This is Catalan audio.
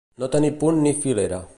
No tenir punt ni filera.